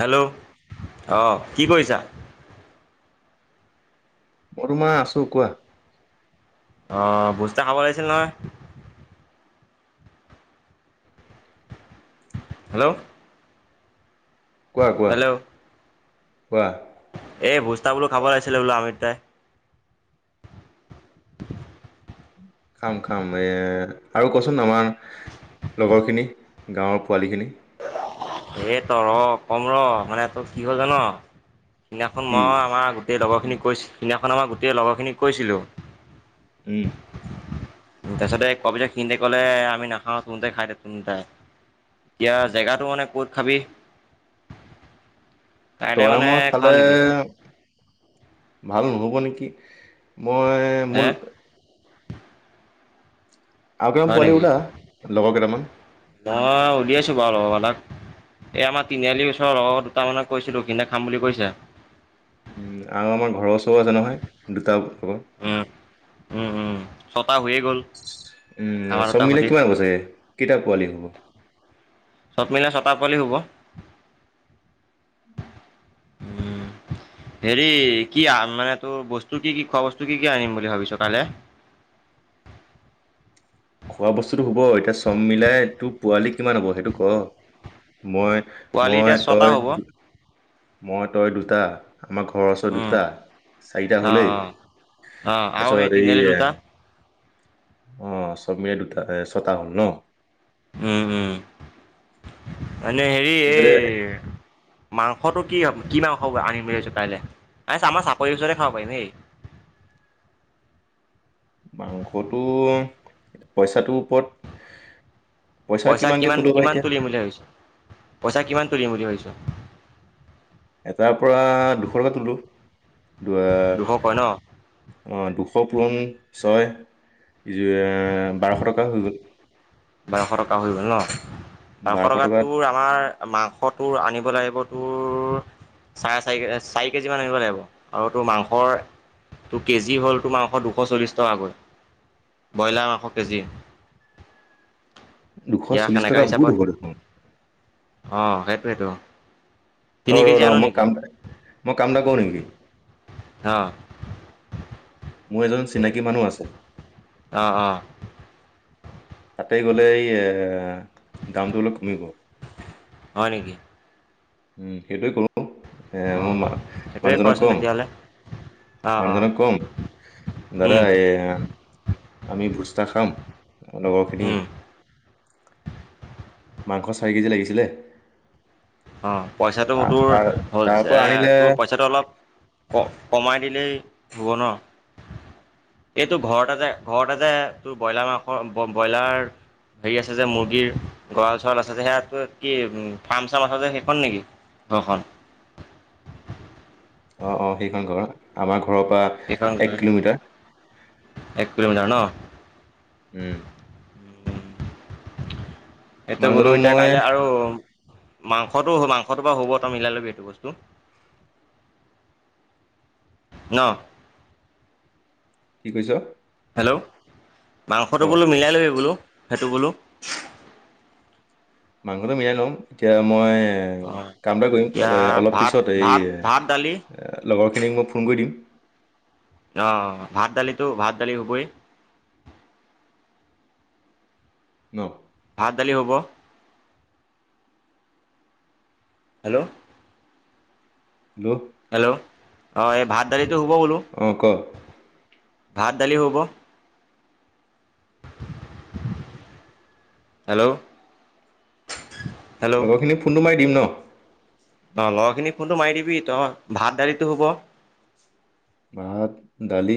Hello অঁ কি কৰিছা ৰুমা আছো কোৱা আহ ভোজ এটা খাব লাগিছিল নহয় হেল্ল' কোৱা কোৱা হেল্ল' কোৱা এই ভোজতা বোলো খাব লাগিছিলে বোলো আমি দুটাই খাম খাম, এ আৰু কচোন আমাৰ লগৰখিনি গাঁৱৰ পোৱালিখিনি এ ত কম ৰ মানে তোৰ কি হ ল জান সেইদিনাখন কি মই আমাৰ গোটেই লগৰখিনিক কৈ সেইদিনাখন আমাৰ গোটেই লগৰখিনিক কৈছিলোঁ উম তাৰপাছত কবি তাক খিনে কলে আমি নাখাওঁ তোহে খাই দে দুটা তাই এতিয়া জেগাতটো মানে ক'ত খাবি কাইলৈ তই মানে মই খাওঁ খালে নেকি ভাল নহ'ব নেকি মই হে মোল আৰু কেইটামান হয় পোৱালি নেকি উলা, লগ কেইটামান মই সুধি আছো বাৰু লগ কেইটা এই আমাৰ তিনিআলিৰ ওচৰৰ লগৰ দুটামানক কৈছিলো খাম বুলি কৈছে উম আৰু আমাৰ ঘৰৰ ওচৰ আছে নহয় দুটা লগৰ উম উম হৈয়ে গ'ল উম আমাৰ চব এটা মিলাই সতি কিমান হব চাগে, কেইটা পোৱালি হব চব মিলাই ছয়টা পোৱালি হব উম উম হেৰি কি মানে তোৰ বস্তু কি কি খোৱা বস্তু কি কি আনিম বুলি ভাবিছ তাৰে [unintelligible] [inaudible] খোৱা বস্তুটো হব এতিয়া চম মিলাই তোৰ পোৱালি কিমান হব সেইটো ক মই পোৱালি মই এতিয়া ছটা তই হ'ব মই তই দুটা আমাৰ ঘৰ ওচৰত উম দুটা চাৰিটা অ হ'লেই অ অ তাৰ আৰু সেই পাছত এই তিনিআলি দুটা অ চবিৰে দুটা ছটা হ'ল ন? [unintelligible] উম উম মানে হেৰি এই এইদৰে মাংসটো কি কি মাংস আনিম বুলি ভাবিছ কাইলৈ, আ আমাৰ চাপৰিৰ ওচৰৰে খাব পাৰি দেই [inaudible] মাংসটো পইচাটোৰ ওপৰত পইচা কিমানকে কিমান তোলো বা কিমান এতিয়া তুলিম বুলি ভাবিছ? পইচা কিমান তুলিম বুলি ভাবছ এটাৰ পৰা দুশ টকা তোলোঁ দুশ কয় ন দুশ পুৰণ [unintelligible] ছয় বাৰশ টকা হৈ গ'ল বাৰশ টকা হৈ গ'ল ন বাৰশ টকাত তোৰ আমাৰ মাংসটো আনিব। আহিব তোৰ চাৰে চাৰি কেজি মান আনিব লাগিব আৰু তোৰ মাংসৰ [unintelligible] তোৰ কেজি হ'ল তোৰ মাংস দুশ চল্লিছ টকাকৈ, ব্ৰইলাৰ মাংস কেজি দুশ এতিয়া চল্লিশ টকা বহুত হ'ব দেখোন অ সেইটোৱেইটো অ ৰ ৰ মোৰ কাম মই কাম এটা কৰো নেকি অ মোৰ এজন চিনাকী মানুহ আছে আহ আহ তাতে গ'লে এই এ দামটো অলপ কমিব। হয় নেকি উম সেইটোৱে কৰো এ মোৰ অঁ ম সেইটোৱে মানুহজনক কৰচোন কম তেতিয়াহ'লে অঁ অঁ মানুহজনক কম দাদা উম এ আমি ভোজ এটা খাম লগৰখিনি উম মাংস চাৰি কেজি লাগিছিলে অ পইচাটো তা- তোৰ তাৰ হল তাৰ পৰা এ আনিলে তোৰ পইচাটো অলপ ক কমাই দিলেই হ'ব ন এইটোৰ ঘৰতে যে ঘৰতে যে তোৰ ব্ৰইলাৰ মাংস ব্ৰইলাৰ হেৰি আছে যে মুৰ্গীৰ গঁৰাল চৰাল আছে যে সেইয়া কি উ ফাৰ্ম সেইখন নেকি ঘৰখন অ অ সেইখন ঘৰ আমাৰ ঘৰৰ পৰা সেইখন এক কিলোমিটাৰ। এক কিলোমিটাৰ ন। উম এতিয়া বোলো মানুহজনক এতিয়া মই কাইলে আৰু। মাংসটো মাংসটো পৰা হ'ব তই মিলাই লবি এইটো বস্তুটো। ন কি কৈছ হেল্ল' ক মাংসটো বোলো মিলাই ল'বি বোলো সেইটো বোলো। মাংসটো মিলাই লওঁ, এতিয়া মই। এ অঁ কাম এটা কৰিম এতিয়া অলপ ভাত পিছত এই ভাত ভাত দালি লগৰখিনিক মই ফোন কৰি দিম। আহ ভাত দালিতো ভাত দালি হুবই। নহ ভাত দালি হব। হেল্ল' হেল্ল' হেল্ল' অ এই ভাত দালিটো হব বোলো। অ ক ভাত দালি হ'ব হেল্ল' হেল্ল' লগৰখিনিক ফোনটো মাৰি দিম ন। অ ল'ৰা খিনি ফোনটো মাৰি দিবি তই ভাত দালিতো হ'ব। ভাত, দালি।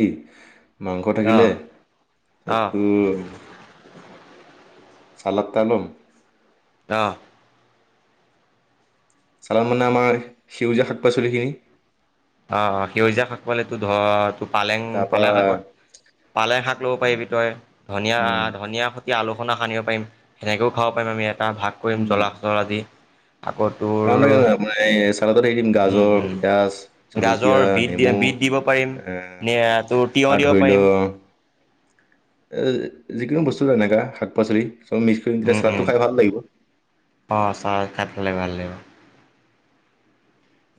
মাংস থাকিলে অঁ তাতো চালাত এটা লম অহ চালা মানে আমাৰ সেউজীয়া শাক পাচলিখিনি। অ সেউজীয়া শাক পালে তো ধৰ তো পালেং তাৰপৰা পালেং শাকত পালেং শাক ল'ব পাৰিবি তই ধনিয়া উম আহ ধনিয়া। নিয়া আলোখনা সানিব পাৰিম সেনেকেও খাব পাৰিম আমি এটা ভাগ কৰিম জ্বলা চলা দি আকৌ [unintelligible] তোৰ আপোনাৰ এই চালতত হেৰি দিম উম গাজৰ, উম পিঁয়াজ, জলকীয়া, গাজৰ বিট দি নেমু বিট দিব পাৰিম নে তোৰ তিয়হ আৰু দিব ধৰি পাৰিম লওঁ যিকোনো বস্তু এনেকুৱা শাক পাচলি চব মিক্স কৰি তেতিয়া চলাদটো খাই ভাল লাগিব অঁ চাহ খাই পেলাই ভাল লাগিব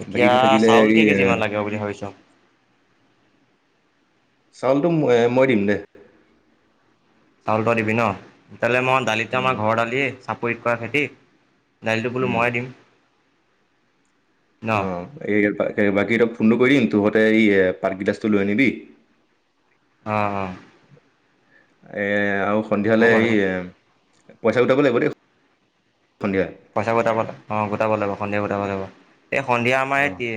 এতিয়া বাকীটো থাকিলে চাউল এই কেই আহ কেজিমান লাগিব বুলি ভাবিছ চাউলটো মই দিম দে চাউলটো দিবি ন তেতিয়াহ'লে মই দালিটো আমাৰ ঘৰ দালিয়ে চাপৰিত কৰা খেতি দাইলটো বোলো ময়ে দিম ন? অ এই বাকী ফোনটো কৰি দিম তহত তি য়ে [unintelligible] লৈ আনিবি অ অ এ আৰু সন্ধিয়ালৈ বাৰু এই পইচা উঠাব লাগিব দেই সন্ধিয়া পইচা গোটাব লাগ অ গোটাব লাগিব সন্ধিয়া গোটাব লাগিব এই সন্ধিয়া আমাৰ অ এতিয়ে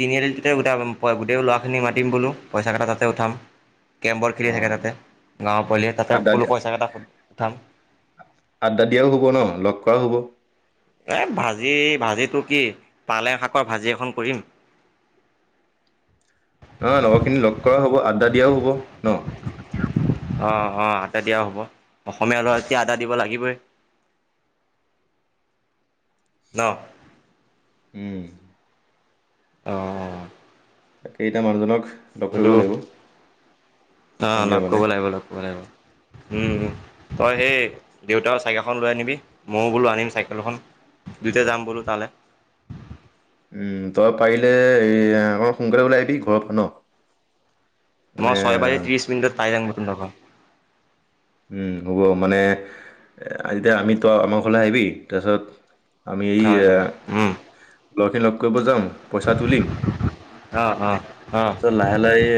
তিনিআলিটোতে গো গোটেইও ল'ৰাখিনি মাতিম বোলো পইচা কেইটা তাতে উঠাম কেমবত খেলি থাকে অ', তাতে গাঁৱৰ পোৱালিয়ে তাতে আড্ডা বোলো দিয়া পইচা কেইটা উঠাম আড্ডা দিয়াও হব ন লগ কৰাও হব এ ভাজি ভাজিটো কি পালেং শাকৰ ভাজি এখন কৰিম [unintelligible] আ্ডা দিয়াও হ'ব ন অহ অ তাতে দিয়াও হ'ব অসমীয়া লৰা এয়া আদা দিব লাগিবই ন উম। অঁ অঁ তাকেই এতিয়া মানুহজনক লগ সয়টো কৰিব লাগিব অ সন্ধিয়া লগ মানে কৰিব লাগিব লগ কৰিব লাগিব তই সেই দেউতাৰ চাইকেলখন লৈ আনিবি ময়ো বোলো আনিম চাইকেল এখন দুইতাইয়ো যাম বোলো তালে উম তই পাৰিলে এ অক সোনকালে ওলাই আহিবি ঘৰৰ ন মই মানে ছয় বাজি ত্ৰিশ মিনিটত পাই যাম নতুনডখ হ'ব মানে যেতিয়া আমি তই আমাৰ ঘৰলৈ আহিবি তাৰপিছত হয় হয় উম লগখিন লগ কৰিব যাম পইচাটো তুলিম অ', অ', অ', চ লাহে লাহে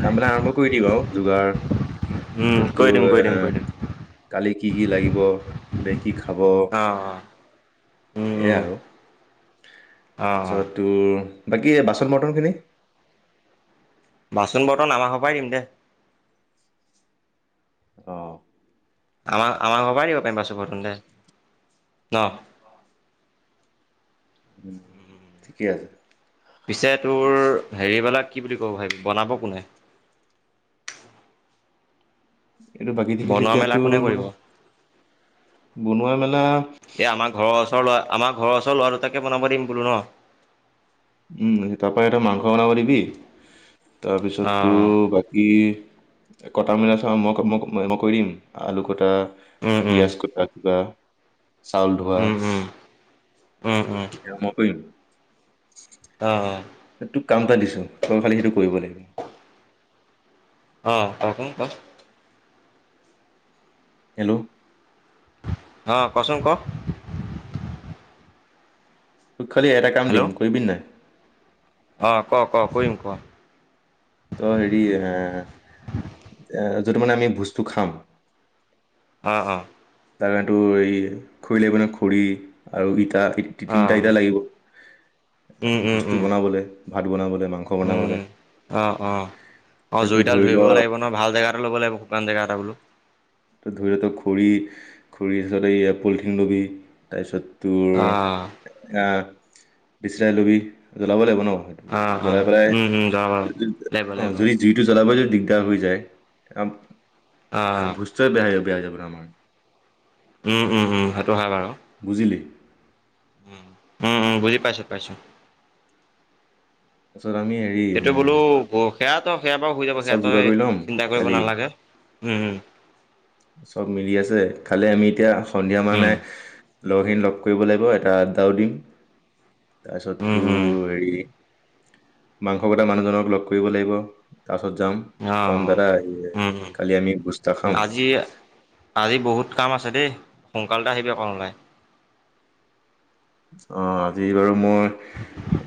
কামবিলাক আৰম্ভ কৰি দিম আৰু যোগাৰ উম, তাৰছতো কৰি দিম কৰি দিম এ কৰি দিম। কালি কি কি লাগিব কি খা অঁ সেয়াই আৰু অ', অ', তাৰপিছত তোৰ। বাকীয়ে বাচন বৰ্তনখিনি বাচন বৰ্তন আমাক ঘৰপাই নিম দে। আহ আমা আমা ঘৰ পৰাই নিব পাৰিম বাচন -বৰ্তন দে ন। উম ঠিকেই আছে। পিছে তোৰ হেৰিবেলাক কি বুলি ক'ব ভাই বনাব কোনে? এইটো বাকী দিখিল বনোৱা এতিয়া মেলা কোনে তোৰ কৰিব? বনোৱা মেলা- এই আমাৰ ঘৰৰ ল'ৰা আমাৰ ঘৰৰ ওচৰ ল'ৰা দুটাকে বনাব দিম বোলোঁ ন। উম তাৰ পৰা এটা মাংস বনাব দিবি তাৰপিছত অ', তোৰ বাকী - কটা মিলা চা মই মই কৰি দিম আলু কটা- উম, উম, পিয়াজ কটা কিবা- চাউল ধোৱা উম, উম, উম, মই কৰিম- অ অ তোক কাম এটা দিছোঁ তই খালি সেইটো কৰিব লাগিব। অ ক চোন ক। হেল্ল' অ কচোন ক। তোক খালি এটা কাম দিম হেল্ল' কৰিবি নাই? অ ক ক ক কৰিম ক। ত' হেৰি এ এ যদি মানে আমি ভোজটো খাম- অ অ তাৰমানে তোৰ হেৰি খৰি লাগিব নহয় খৰি আৰু - তিনিটা ইটা অ', লাগিব। উম, উম, ভূজটো উম, বনাবলৈ ভাত বনাবলৈ। উম অ অ অ যে তোৰ জুইডাল ধৰি ল ধৰিবও লাগিব ন ভাল জেগাটো ল'ব লাগিব। শুকান জেগা এটা বোলোঁ। ত ধৰি লও খৰি খৰি পিছত এই পলিথিন ল'বি তাৰপিছত- তোৰ অ', এয়া বিচৰাই লবি জ্বলাব লাগিব ন। অ অ', সেইটো অ', জ্বলাই পেলাই উম, উম, যাব বাৰু লাগিব অ লাগিব যদি জুইটো জ্বলাবই য- দিগদাৰ হৈ যায়। আ ভোজটোৱে বেয়া হৈ যাব ন আমাৰ। উম উম উম। বুজিলি। উ উম উম বুজি পাইছোঁ পাইছোঁ। তাৰপিছত আমি হেৰি সেইটো এ, বোলোঁ ব- সেয়াতো সেয়া বাৰু হৈ যাব সেয়া চব যোগাৰ তই কৰি ল'ম চিন্তা কৰিব কালি নালাগে উম। চব মিলি আছে খালি আমি এতিয়া সন্ধিয়া উম, মানে। উম, লগৰখিনি লগ কৰিব লাগিব এটা আডাও দি উম, উম তাৰপিছতোৰ হেৰি- মাংস কটা মানুহজনক লগ কৰিব লাগিব। তাৰপাছত যাম কম অ', দাদা উম, কালি আমি ভূজ এটা উম, খাম। আজি আজি বহুত কাম আছে দেই সোনকালতে আহিবি অকমান উলাই। অ আজি বাৰু মই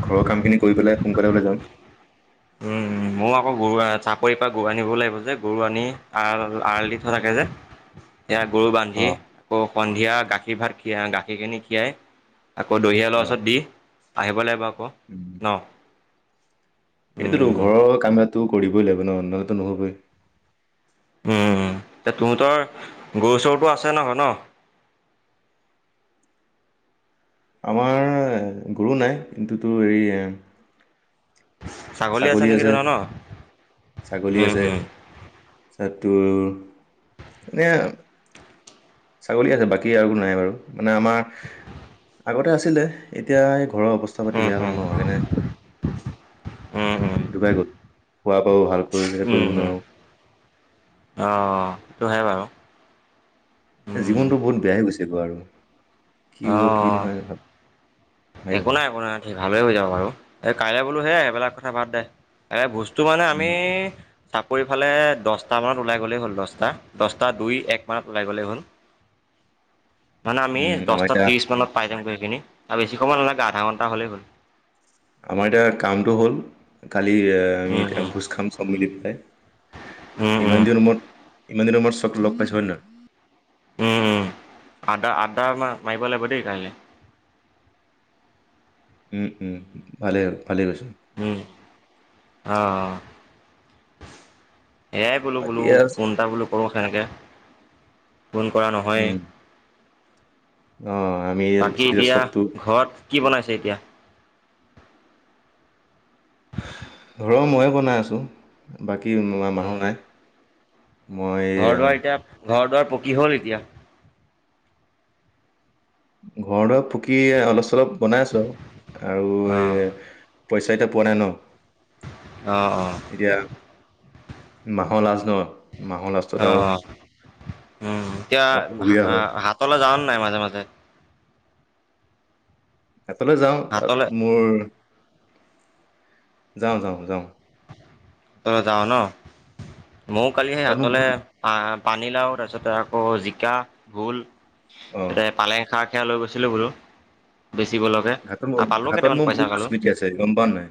ঘৰৰ কামখিনি কৰি পেলাই সোনকালে ওলাই যাম। উম মইও আকৌ গৰু চাকৰিৰ পৰা গৰু আনিবও লাগিব যে গৰু আনি আ আল দি থোৱা থাকে যে। সেইয়া গৰু বান্ধি অ আকৌ সন্ধিয়া গাখীৰ ভাত গাখীৰ খিনি খীয়াই। আকৌ দহিয়ালৰ অ ওচৰত দি আহিব লাগিব আকৌ উম ন। সেইটোতো উম, ঘৰৰ কাম এটো কৰিবই লাগিব ন নহলেটো নহবই। উম এ তহঁতৰ গৰু চৰুটো আছে নহয় ন? [inaudible] আমাৰ গৰু নাই কিন্তুটোৰ হেৰি। ছাগলী নেকি আছে তহঁতৰ ন? ছাগলী উম, আছে? উম, তাত তোৰ এনেই ছাগলী আছে বাকী আৰু নাই বাৰু মানে আমাৰ আগতে আছিলে এতিয়া ঘৰৰ অৱস্থা পাতি উম, বেয়া হ'ল উম, ন সেইকাৰণে উম, উম, ডুকাই গল খোৱা বোৱাবোৰ ভালকৈ উম, কৰিব উম, নোৱাৰোঁ। অ সেইটো হয় বাৰু। উম। জীৱনতটো বহুত বেয়া হৈ গৈছে গৈ আৰু কি হ'ব কি অ', নহয়। একো নাই একো নাই ভালে হৈ যাব বাৰু এই কাইলে বোলো হে এইবিলাক কথা বাদ দে এ বুজ তোমানে আমি। উম, চাকৰি ফালে দহটা মানত ওলাই গ'লেই হ'ল দহটা দহটা দুই এক মানত ওলাই গ'লেই হ'ল। মানে আমি উম, আমাৰ দশটা এতিয়া ত্ৰিশ মানত পাই যামগৈ সেইখিনি তাপিছত। নালাগা আধা ঘণ্টা হ'লেই হ'ল। আমাৰ এতিয়া কামটো হ'ল। কালি আমি উম উম এতিয়া ভোজ খাম চব মেলি পেলাই উম উম ইমান দিনৰ মূৰত। ইমান দিনৰ আমাৰ চব লগ পাইছো হয় নহয় উম-উম আদা-আদা মাৰিব লাগিব দেই কাইলৈ। উম ভালে-ভালে পাইছো। অঁ এয়াই বাকী বোলো-বোলো আৰু ফোন এটা বোলো কৰোঁ সেনেকে। ফোন কৰা নহয়েই। উম, অ', আমি বাকী এতিয়া চবটো ঘৰত কি বনাইছে এতিয়া? ঘৰৰ ময়ে বনাই আছোঁ বাকী মানুহ অ', নাই। মই এইয়া ঘৰ-দুৱাৰ পকী হ'ল এতিয়া। ঘৰ-দুৱাৰ পকি অলপ-চলপ বনাই আছো আৰু আৰু অ', এ পইচা এতিয়া পোৱা নাই ন অঁ-অঁ এতিয়া মাহৰ লাজ ন। লাজতত অ', আৰু অ', উম এতিয়া অ', অসুবিধা হয় হা-হাতলৈ যাৱ নাই মাজে-মাজে হাতলৈ যাওঁ তাত হাতলৈ মোৰ যাওঁ-যাওঁ-যাওঁ ত‌ই যাওঁ ন ময়‌ও কালি সেই তাত মোৰ হাতলে বহুত আহ। পানীলাও তাৰপিছতে আকৌ জিকা, ভোল অ', তাৰপিছতে পালেং শাক। সেয়া লৈ গৈছিলোঁ বোলো। বেচিব লাগে ঘাটত মোৰ আৰু পালো ঘাটত কেইটামান মোৰ পইচা বহুত পালো। স্মৃতি আছে গম পাৱ নাই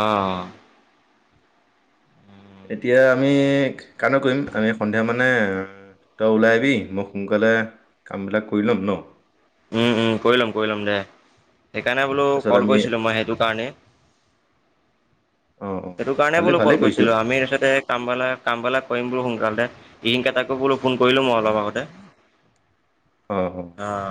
আহ এতিয়া আমি কানো কৰিম আমি সন্ধিয়া মানে তই ওলাই আহিবি মই সোনকালে কামবিলাক কৰি ল'ম ন। উম-উম কৰি ল'ম কৰি ল'ম দে সেইকাৰণে বোলো তাৰপিছত কল আমি কৰিছিলো মই সেইটো কাৰণেই। অ', অ', সেইটোকাৰণে ভালে বোলো ভালেই কল কৰিছোঁ কৰিছিলো আমি তাৰপিছতে কাম পালে। কামবিলাক কৰিম বোলো সোনকালে ৰিনকে তাকো বোলো ফোন কৰিলো মই অলপ আগতে। আহ অ